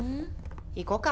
行こうか。